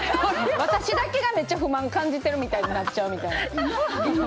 私だけがめっちゃ不満を感じてるみたいになっちゃう。